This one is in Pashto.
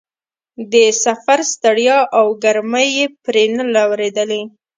د سفر ستړیا او ګرمۍ یې پرې نه لورېدلې.